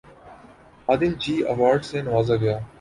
آدم جی award سے نوازا گیا